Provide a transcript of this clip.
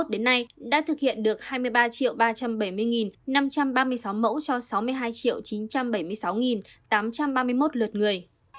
tình hình xét nghiệm số xét nghiệm từ ngày hai mươi bảy tháng bốn năm hai nghìn hai mươi một đến nay đã thực hiện được hai mươi ba ba trăm bảy mươi năm trăm ba mươi sáu mẫu cho sáu mươi hai chín trăm bảy mươi sáu tám trăm ba mươi một lượt người